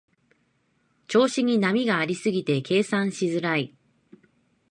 調子に波がありすぎて計算しづらい